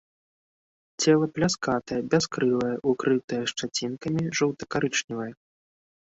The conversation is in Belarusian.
Цела пляскатае, бяскрылае, укрытае шчацінкамі, жоўта-карычневае.